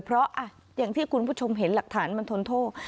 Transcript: เพราะอย่างที่คุณผู้ชมเห็นหลักฐานมันทนโทษ